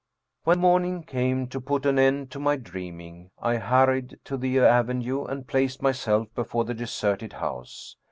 When morning came to put an end to my dreaming I hurried to the avenue and placed myself before the deserted house.